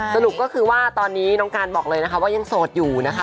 สรุปก็คือว่าตอนนี้น้องการบอกเลยนะคะว่ายังโสดอยู่นะคะ